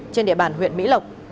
trên địa bàn huyện mỹ lộc